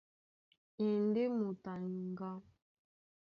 A e ndé moto a nyuŋgá.